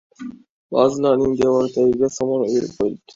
Ba’zilarining devori tagiga somon uyib qo‘yilibdi.